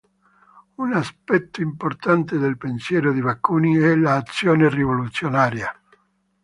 Un aspetto importante del pensiero di Bakunin è l'azione rivoluzionaria.